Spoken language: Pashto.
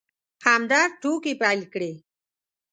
همدرد ټوکې پيل کړې.